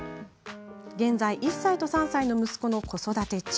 １歳と３歳の息子を子育て中。